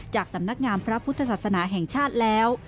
จากสำนักงามพระพุทธศาสนาแห่งชาติแล้ว